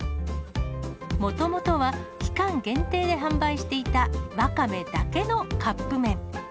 もともとは期間限定で販売していた、わかめだけのカップ麺。